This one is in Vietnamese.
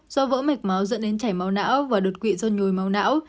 do vỡ mạch máu dẫn đến chảy máu não và đột quỵ do nhồi máu não